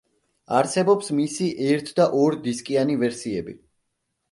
არსებობს მისი ერთ და ორ დისკიანი ვერსიები.